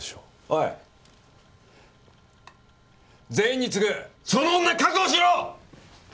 おい全員に告ぐその女確保しろ！